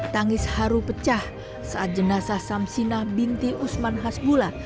tangis haru pecah saat jenazah samsinah binti usman hasbula